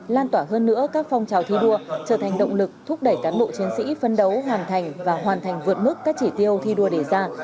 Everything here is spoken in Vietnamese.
lan tỏa hơn nữa các phong trào thi đua trở thành động lực thúc đẩy cán bộ chiến sĩ phân đấu hoàn thành và hoàn thành vượt mức các chỉ tiêu thi đua đề ra